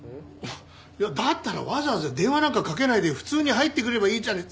いやだったらわざわざ電話なんかかけないで普通に入ってくればいいじゃない。